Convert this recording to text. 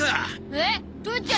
えっ父ちゃん